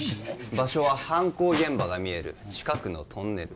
場所は犯行現場が見える近くのトンネル